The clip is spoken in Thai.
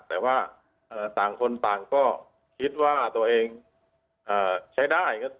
แต่ว่าต่างคนต่างก็คิดว่าตัวเองใช้ได้